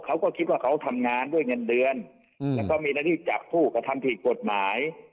เขาก็คิดว่าเขาทำงานด้วยเงินเดือนแล้วก็มีหน้าที่จับผู้กระทำผิดกฎหมาย